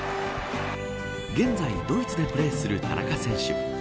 現在ドイツでプレーする田中選手。